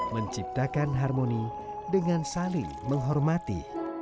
menciptakan harmoni dengan saling menghormati